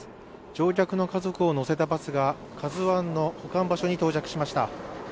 乗客の家族を乗せたバスが「ＫＡＺＵⅠ」の保管場所に到着しました。